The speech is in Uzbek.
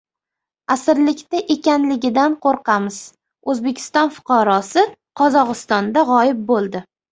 "Asirlikda ekanligidan qo‘rqamiz" - O‘zbekiston fuqarosi Qozog‘istonda g‘oyib bo‘ldi